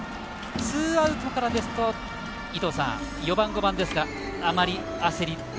ツーアウトからですと伊東さん、４番、５番ですがあまり焦りという。